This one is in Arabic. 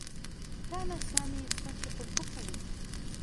كان سامي يستنشق الكحول.